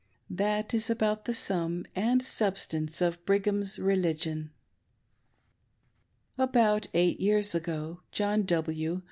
That is about the sum and sub stance of Brigham's religion. About eight years ago, John W.